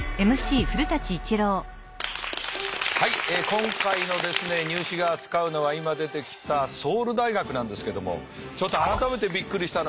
はい今回のですね「ニュー試」が扱うのは今出てきたソウル大学なんですけどもちょっと改めてびっくりしたのは。